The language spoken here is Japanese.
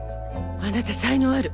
あなた才能ある。